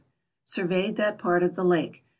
Surveyed that part of the lake. Mr.